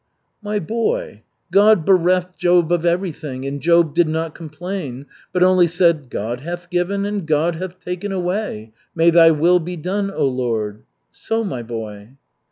"My boy, God bereft Job of everything, and Job did not complain, but only said: 'God hath given and God hath taken away may thy will be done, oh, Lord!' So, my boy."